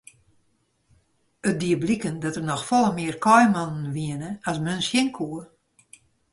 It die bliken dat der noch folle mear kaaimannen wiene as men sjen koe.